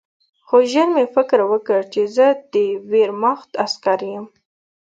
خو ژر مې فکر وکړ چې زه د ویرماخت عسکر یم